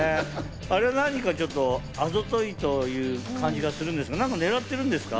あれは何か、あざといという感じがするんですが、何か狙ってるんですか？